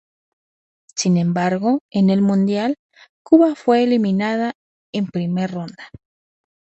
Sin embargo, en el Mundial, Cuba fue eliminada en primera ronda.